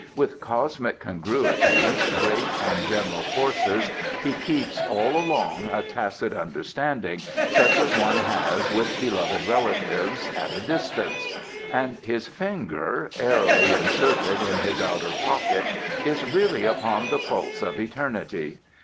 With cosmic congruities, great and general forces, he keeps, all along, a tacit understanding, such as one has with beloved relatives at a distance; and his finger, airily inserted in his outer pocket, is really upon the pulse of eternity.